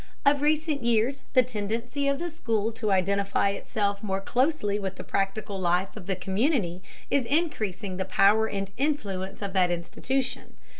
Of recent years the tendency of the school to identify itself more closely with the practical life of the community is increasing the power and influence of that institution.